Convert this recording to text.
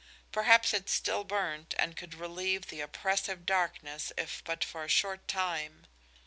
Perhaps it still burned and could relieve the oppressive darkness if but for a short time.